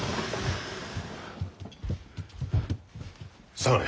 下がれ。